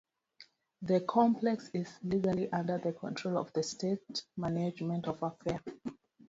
The complex is legally under the control of the State Management of Affairs.